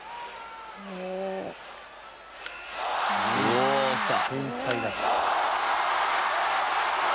おおきた。